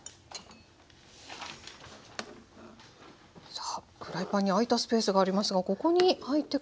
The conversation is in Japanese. さあフライパンに空いたスペースがありますがここに入ってくるのが。